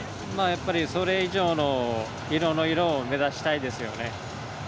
それ以上の色を目指したいですよね。